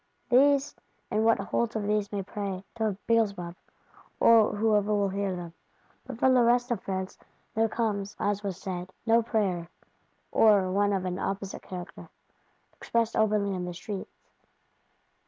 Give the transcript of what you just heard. These, and what holds of these may pray,—to Beelzebub, or whoever will hear them. But from the rest of France there comes, as was said, no prayer; or one of an opposite character, "expressed openly in the streets."